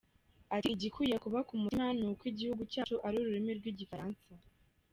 Ati “Igikwiye kuba ku mutima ni uko igihugu cyacu ari ururimi rw’Igifaransa.